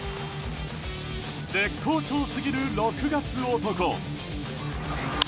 絶好調すぎる６月男。